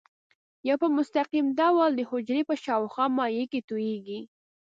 یا په مستقیم ډول د حجرې په شاوخوا مایع کې تویېږي.